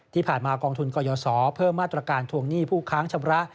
ที่ผ่านมากองทุนกรยศเพิ่มมาตรการทวงหนี้ผู้ค้างชำระ